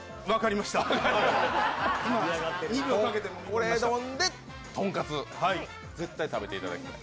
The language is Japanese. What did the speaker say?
これ挑んで、とんかつ絶対食べていただきたい。